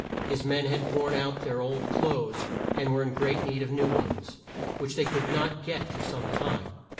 His men had worn out their old clothes and were in great need of new ones, which they could not get for some time.